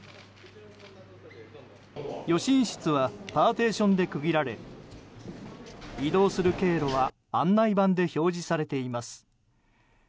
予診室はパーティションで区切られ移動する経路は案内板で掲示されています。